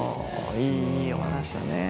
いいお話だね。